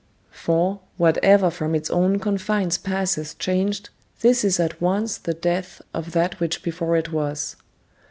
["For, whatever from its own confines passes changed, this is at once the death of that which before it was."